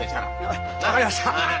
あっ分かりました。